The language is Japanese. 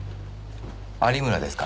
有村ですか？